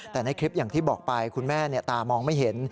แต่ในคลิปอย่างที่บอกไปคุณแม่ตามองไม่เห็น